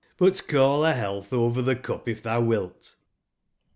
But call a health over the cup if thou wilt."